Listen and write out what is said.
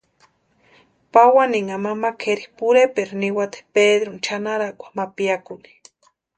Pawaninha mama kʼeri Pureperu niwati Pedruni chʼanarakwa ma piakuni.